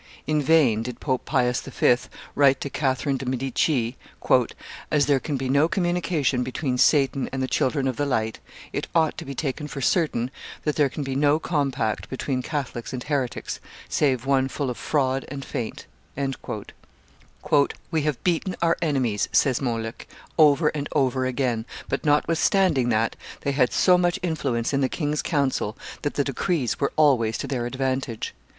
In vain did Pope Pius V. write to Catherine de' Medici, "As there can be no communion between Satan and the children of the light, it ought to be taken for certain that there can be no compact between Catholics and heretics, save one full of fraud and feint." "We have beaten our enemies," says Montluc, "over and over again; but notwithstanding that, they had so much influence in the king's council that the decrees were always to their advantage.